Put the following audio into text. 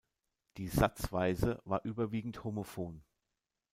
Die Satzweise war überwiegend homophon.